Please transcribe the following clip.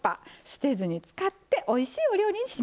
捨てずに使っておいしいお料理にします。